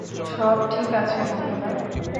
সব ঠিক আছে বন্ধুরা।